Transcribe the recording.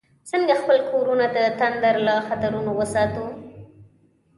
څنګه خپل کورونه د تندر له خطرونو وساتو؟